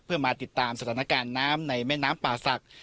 เพื่อมาติดตามสถานการณ์น้ำในแม่น้ำป่าศักดิ์